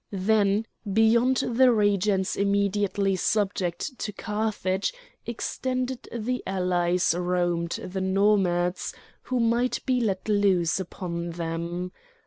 Then beyond the regions immediately subject to Carthage extended the allies roamed the Nomads, who might be let loose upon them.